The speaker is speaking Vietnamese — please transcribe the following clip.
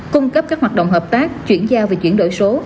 cung cấp các hoạt động hợp tác chuyển giao về chuyển đổi số